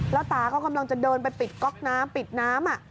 แล้วตาก็กำลังจะเดินไปปิดก๊อกน้ำปิดน้ำ